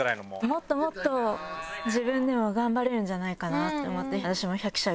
もっともっと自分でも頑張れるんじゃないかなって。